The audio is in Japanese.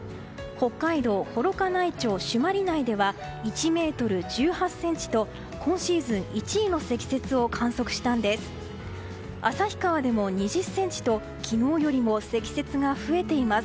北海道幌加内町朱鞠内では１ｍ１８ｃｍと今シーズン１位の積雪を観測したんです。